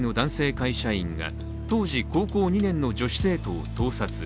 会社員が当時高校２年の女子生徒を盗撮。